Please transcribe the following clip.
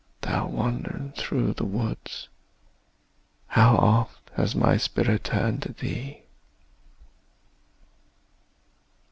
thou wanderer thro' the woods, How often has my spirit turned to thee!